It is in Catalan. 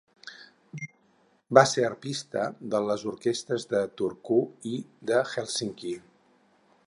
Va ser arpista de les orquestres de Turku i de Hèlsinki.